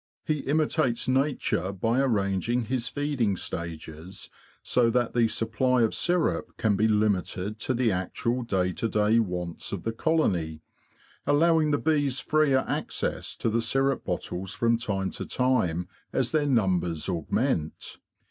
He imitates nature by arranging his feeding stages so that the supply of syrup can be limited to the actual day to day wants of the colony, allowing the bees freer access to the syrup bottles from time to time as their numbers augment.